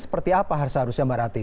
seperti apa seharusnya mbak rati